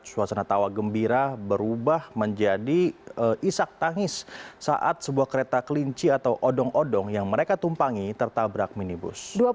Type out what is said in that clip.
suasana tawa gembira berubah menjadi isak tangis saat sebuah kereta kelinci atau odong odong yang mereka tumpangi tertabrak minibus